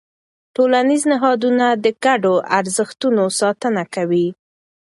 ټولنیز نهادونه د ګډو ارزښتونو ساتنه کوي.